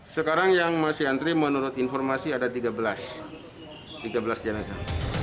sekarang yang masih antri menurut informasi ada tiga belas jenazah